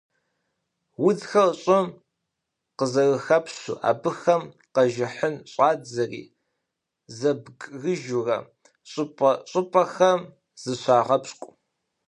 Удзхэр щIым къызэрыхэпщу, абыхэм къэжыхьын щIадзэри зэбгрыжурэ щIыпIэ-щIыпIэхэм зыщагъэпщкIу.